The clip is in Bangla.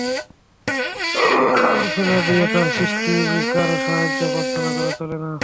আল্লাহর উসিলা দিয়ে তাঁর সৃষ্টির কারো সাহায্য প্রার্থনা করা চলে না।